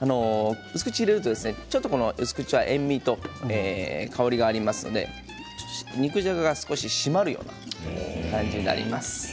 薄口を入れると薄口は塩みと香りがありますので肉じゃがが少し締まるような感じになります。